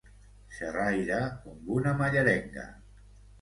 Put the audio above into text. Xerraire com una mallerenga.